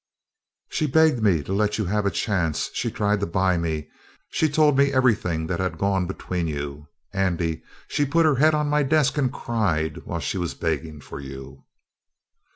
She begged me to let you have a chance. She tried to buy me. She told me everything that had gone between you. Andy, she put her head on my desk and cried while she was begging for you!"